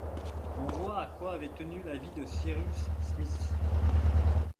On voit à quoi avait tenu la vie de Cyrus Smith!